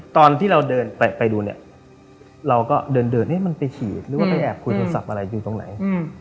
ตอนที่เราเดินไปดูเนี่ยเราก็เดินมันไปฉีดหรือว่าไปแอบคุยโทรศัพท์อะไรอยู่ตรงไหน